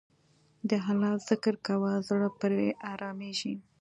د الله ذکر کوه، زړه پرې آرامیږي.